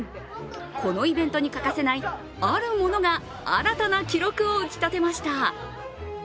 このイベントに欠かせないあるものが新たな記録を打ち立てました。